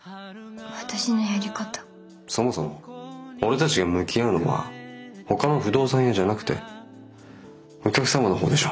そもそも俺たちが向き合うのはほかの不動産屋じゃなくてお客様の方でしょ。